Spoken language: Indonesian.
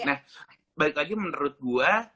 nah balik lagi menurut gue